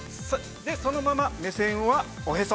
そのまま目線はおへそ。